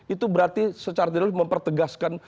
itu berarti secara tidak mempertegaskan